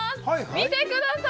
見てください